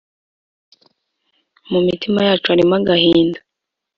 mumitima yacu harimo agahinda